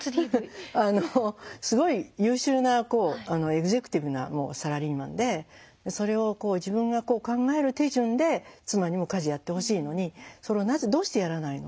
すごい優秀なエグゼクティブなサラリーマンでそれを自分が考える手順で妻にも家事やってほしいのにそれを「なぜどうしてやらないの？